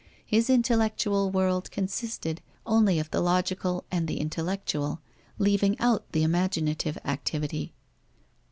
His intellectual world consisted only of the logical and the intellectual, leaving out the imaginative activity.